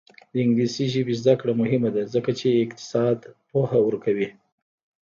د انګلیسي ژبې زده کړه مهمه ده ځکه چې اقتصاد پوهه ورکوي.